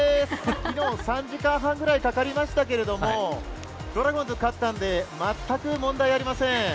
今日、３時間半ぐらいかかりましたけどドラゴンズ勝ったんで、全く問題ありませーん。